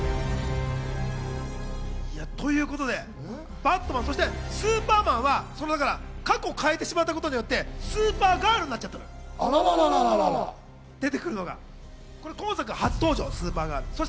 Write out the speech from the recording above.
バットマン、そしてスーパーマンは過去を変えてしまったことでスーパーガールになっちゃったの、出てくるのが今作初登場、スーパーガールは。